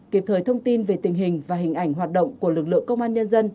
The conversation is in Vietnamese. kịp thời thông tin về tình hình và hình ảnh hoạt động của lực lượng công an nhân dân